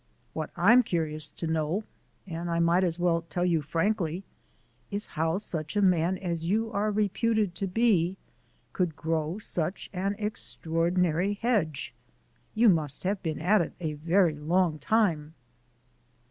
What I'm curious to know and I might as well tell you frankly is how such a man as you are reputed to be could grow such an extraordinary hedge. You must have been at it a very long time."